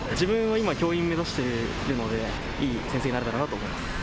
今、教員を目指しているのでいい先生になれたらと思います。